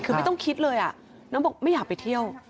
คือไม่ต้องคิดเลยน้องบอกไม่อยากไปเที่ยว